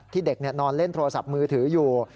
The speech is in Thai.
เด็กนอนเล่นโทรศัพท์มือถืออยู่